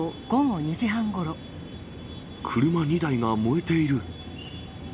車２台が燃えている。